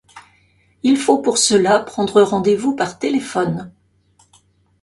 Il faut pour cela prendre rendez-vous par téléphone.